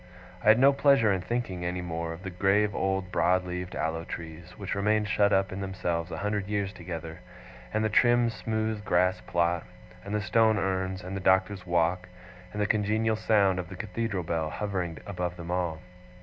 I had no pleasure in thinking, any more, of the grave old broad leaved aloe trees, which remained shut up in themselves a hundred years together, and of the trim smooth grass plot, and the stone urns, and the Doctor's walk, and the congenial sound of the Cathedral bell hovering above them all.